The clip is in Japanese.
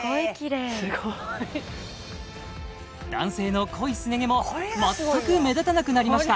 スゴい男性の濃いスネ毛も全く目立たなくなりました